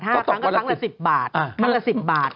มันต้องต่อก็ละ๑๐บาท